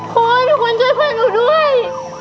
เพราะว่าทุกคนช่วยเพื่อนหนูด้วย